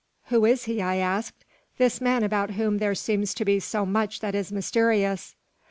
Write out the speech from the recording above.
"Who is he?" I asked, "this man about whom there seems to be so much that is mysterious?"